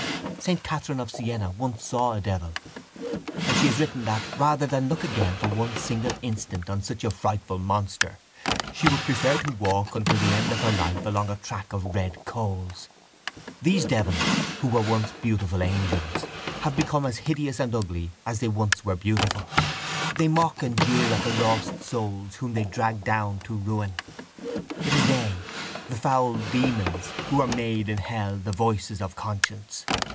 Saint Catherine of Siena once saw a devil and she has written that, rather than look again for one single instant on such a frightful monster, she would prefer to walk until the end of her life along a track of red coals. These devils, who were once beautiful angels, have become as hideous and ugly as they once were beautiful. They mock and jeer at the lost souls whom they dragged down to ruin. It is they, the foul demons, who are made in hell the voices of conscience.